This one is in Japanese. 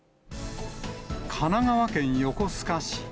神奈川県横須賀市。